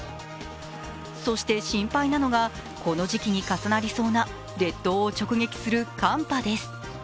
そして心配なのが、この時期に重なりそうな列島を直撃する寒波です。